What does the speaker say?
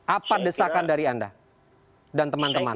apa desakan dari anda dan teman teman